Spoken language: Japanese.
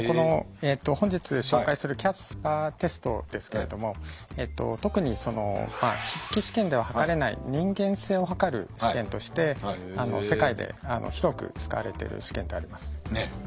本日紹介するキャスパーテストですけれども特に筆記試験でははかれない人間性をはかる試験として世界で広く使われている試験であります。